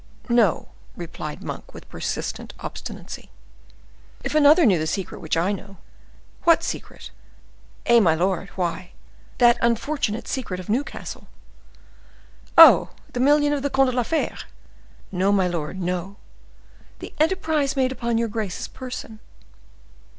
"No," replied Monk, with persistent obstinacy. "If another knew the secret which I know—" "What secret?" "Eh! my lord, why, that unfortunate secret of Newcastle." "Oh! the million of the Comte de la Fere?" "No, my lord, no; the enterprise made upon your grace's person."